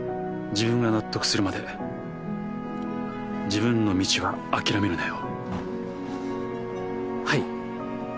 自分が納得するまで自分の道は諦めるなよ